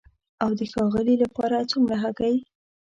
او د ښاغلي لپاره څومره هګۍ؟